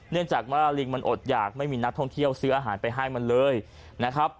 เนื่องจากว่าลิงมันอดหยากไม่มีนักท่องเที่ยวซื้ออาหารไปให้มันเลยนะครับ